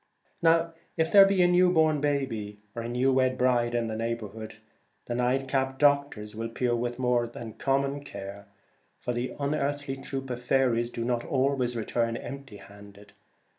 If there be a new born baby or new wed bride in the neighbourhood, the night capped ' doctors ' will peer with more than common care, for the unearthly troop do not always return empty handed.